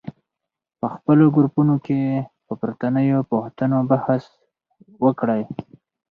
په خپلو ګروپونو کې پر پورتنیو پوښتنو بحث وکړئ.